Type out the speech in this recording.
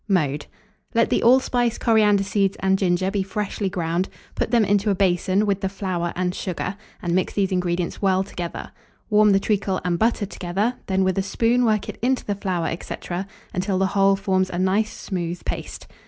Mode. Let the allspice, coriander seeds, and ginger be freshly ground; put them into a basin, with the flour and sugar, and mix these ingredients well together; warm the treacle and butter together; then with a spoon work it into the flour, &c., until the whole forms a nice smooth paste.